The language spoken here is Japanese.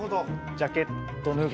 ジャケット脱ぐ？